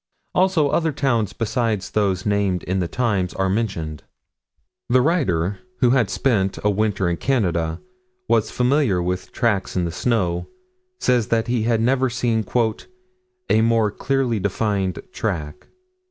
Also other towns besides those named in the Times are mentioned. The writer, who had spent a winter in Canada, and was familiar with tracks in snow, says that he had never seen "a more clearly defined track."